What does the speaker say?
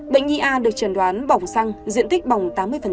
bệnh nhi a được trần đoán bỏng xăng diện tích bỏng tám mươi